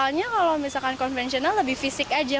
soalnya kalau misalkan konvensional lebih fisik aja